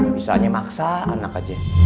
misalnya maksa anak aja